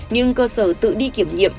nhưng cơ sở tự đi kiểm nghiệm